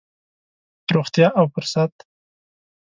روغتيا او فرصت.